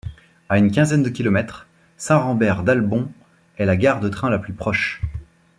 À une quinzaine de kilomètres, Saint-Rambert-d'Albon est la gare de trains la plus proche.